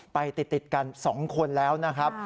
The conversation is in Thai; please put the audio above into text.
ไปติดกัน๒คนแล้วนะครับ